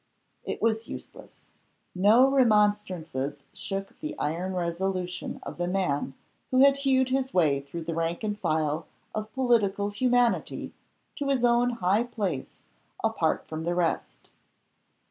It was useless. No remonstrances shook the iron resolution of the man who had hewed his way through the rank and file of political humanity to his own high place apart from the rest.